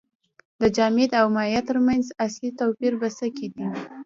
د جامد او مایع ترمنځ اصلي توپیر په څه کې دی